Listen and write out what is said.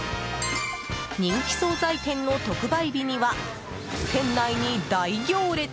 人気総菜店の特売日には店内に大行列！